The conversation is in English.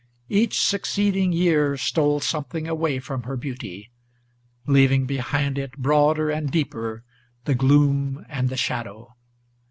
Each succeeding year stole something away from her beauty. Leaving behind it, broader and deeper, the gloom and the shadow.